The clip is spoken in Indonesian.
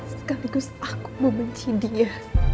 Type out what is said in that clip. sekaligus aku membenci dia